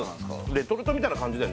レトルトみたいな感じだよね